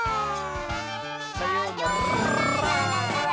さようなら！